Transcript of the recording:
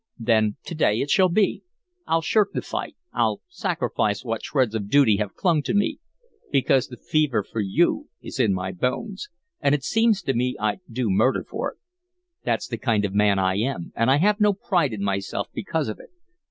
"Then to day it shall be. I'll shirk the fight, I'll sacrifice what shreds of duty have clung to me, because the fever for you is in my bones, and it seems to me I'd do murder for it. That's the kind of a man I am, and I have no pride in myself because of it.